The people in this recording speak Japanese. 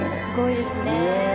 すごいですね。